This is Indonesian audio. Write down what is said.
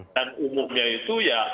dan umumnya itu ya